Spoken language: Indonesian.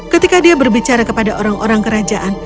ketika dia berbicara kepada orang orang kerajaan